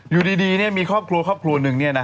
อยู่ดีมีครอบครัวครอบครัวหนึ่ง